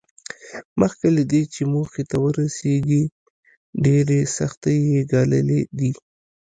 مخکې له دې چې موخې ته ورسېږي ډېرې سختۍ یې ګاللې دي